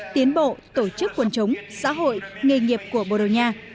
tiến bộ tổ chức quân chống xã hội nghề nghiệp của bồ đào nha